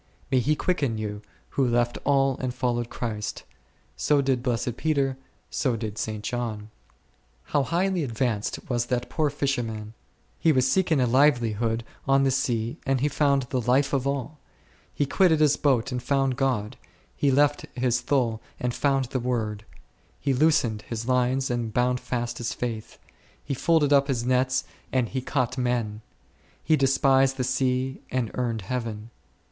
May he quicken you, who left all and followed Christ! so did blessed Peter, so did St. John. How highly advanced was that poor fisherman ! he was seeking a livelihood on the sea and he found the Life of all; he quitted his boat and found God; he left his thole and found the Word ; he loosened his lines and bound fast his faith ; he folded up his nets and he caught men ; he despised the sea and earned Heaven.